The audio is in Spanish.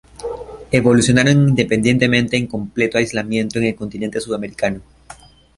Evolucionaron independientemente en completo aislamiento en el continente sudamericano.